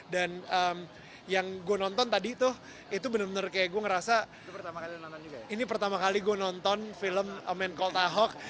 dan yang gue nonton tadi tuh itu bener bener kayak gue ngerasa ini pertama kali gue nonton film a man called ahok